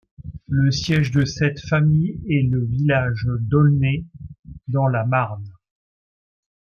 Le siège de cette famille est le village d'Aulnay, dans la Marne.